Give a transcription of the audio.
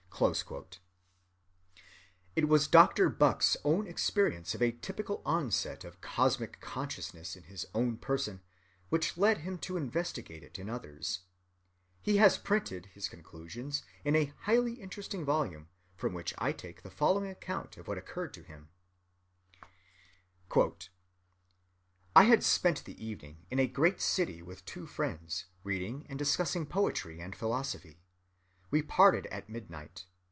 (241) It was Dr. Bucke's own experience of a typical onset of cosmic consciousness in his own person which led him to investigate it in others. He has printed his conclusions in a highly interesting volume, from which I take the following account of what occurred to him:— "I had spent the evening in a great city, with two friends, reading and discussing poetry and philosophy. We parted at midnight.